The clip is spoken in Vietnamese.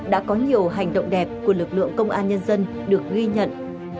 đã có nhiều hành động đẹp của lực lượng công an nhân dân được ghi nhận